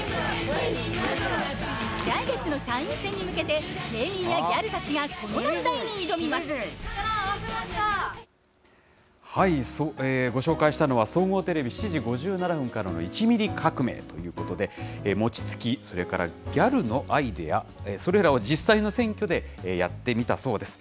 来月の参議院選に向けて、芸人やギャルたちが、ご紹介したのは、総合テレビ７時５７分からの１ミリ革命ということで、餅つき、それからギャルのアイデア、それらを実際の選挙でやってみたそうです。